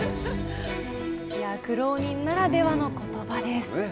苦労人ならではのことばです。